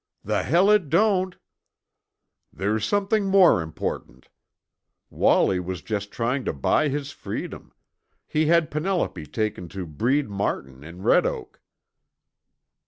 "The hell it don't." "There's something more important. Wallie was just trying to buy his freedom. He had Penelope taken to Breed Martin in Red Oak."